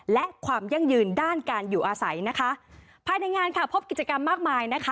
และความยั่งยืนด้านการอยู่อาศัยนะคะภายในงานค่ะพบกิจกรรมมากมายนะคะ